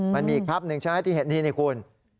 มันมีอีกครับหนึ่งใช่ไหมที่เหตุนี้เนี่ยคุณ